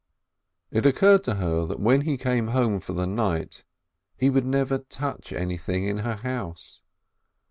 It occurred to her that when he came home for the night, he never would touch anything in her house.